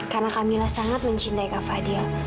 karena kamila sangat mencintai kak fadil